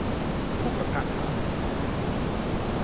ผู้ประกาศข่าว